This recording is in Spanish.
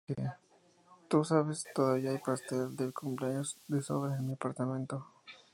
Le dije: 'Tú sabes, todavía hay pastel de cumpleaños de sobra en mi apartamento.